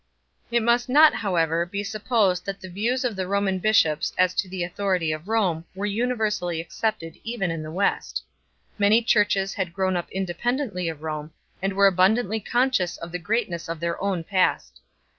It must not however be supposed that the views of the Roman bishops as to the authority of Rome were universally accepted even in the West. Many Churches had grown up independently of Rome and were abun dantly conscious of the greatness of their own past.